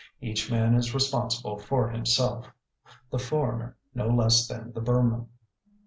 Each man is responsible for himself, the foreigner no less than the Burman.